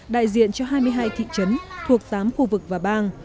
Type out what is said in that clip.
đại diện cho hai mươi hai thị trấn thuộc tám khu vực và bang